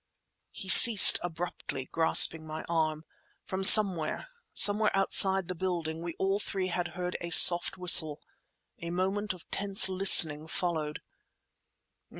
He ceased abruptly, grasping my arm. From somewhere, somewhere outside the building, we all three had heard a soft whistle. A moment of tense listening followed.